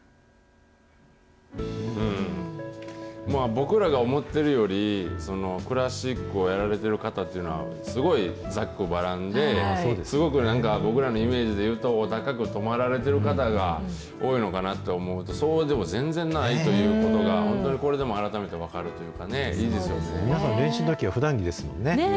僕らが思ってるより、クラシックをやられてる方っていうのは、すごいざっくばらんで、すごくなんか、僕らのイメージでいうと、お高くとまられてる方が多いのかなと思うと、そうでも全然ないということがこれで本当に改めて分かるというか、皆さん、練習のときはふだん着ですもんね。